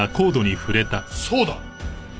そうだ！